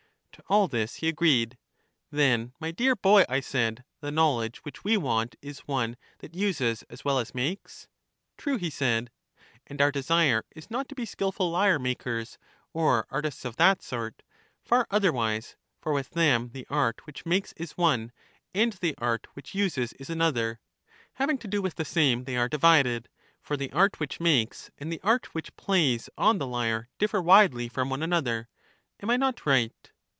To all this he agreed. Then, my dear boy, I said, the knowledge which we want is one that uses as well as makes? True, he said. And our desire is not to be skilful lyre makers, or artists of that sort ; far otherwise : for with them the art which makes is one, and the art which uses is an other. Having to do with the same, they are divided ; for the art which makes and the art which plays on the lyre differ widely from one another. Am I not right?